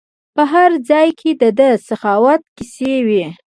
په هر ځای کې د ده سخاوت کیسې وي.